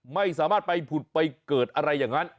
ไม่สามารถไปผุดไปเกิดอะไรอย่างนั้น